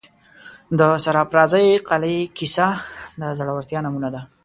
د سرافرازۍ قلعې کیسه د زړه ورتیا نمونه ده.